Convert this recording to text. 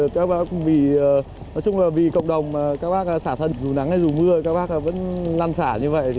các bác cũng vì cộng đồng các bác xả thân dù nắng hay dù mưa các bác vẫn lan xả như vậy